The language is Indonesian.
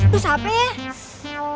duh siapa ya